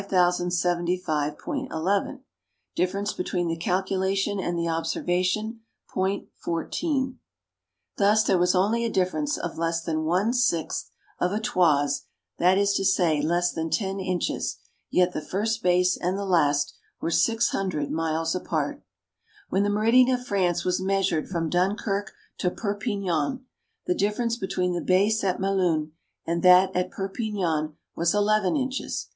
11 Difference between the calculation and the obser vation .14 Thus there was only a difference of less than ^ of a toise that is to say, less than ten inches ; yet the first base and the last were six hundred miles apart When the meridian of France was measured from Dunkirk to Perpignan, the difference between the base at Melunand that at Perpignan was eleven inches.